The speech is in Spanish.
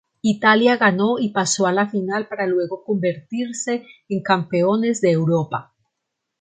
Italia ganó y pasó a la final para luego convertirse en campeones de Europa.